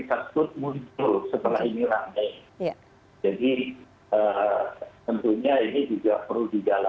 kasus tersebut berita